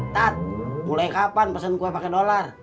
tat mulai kapan pesen kue pake dolar